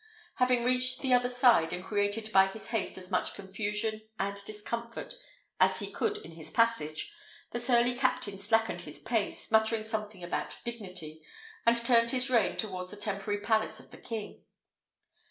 Having reached the other side, and created by his haste as much confusion and discomfort as he could in his passage, the surly captain slackened his pace, muttering something about dignity, and turned his rein towards the temporary palace of the king.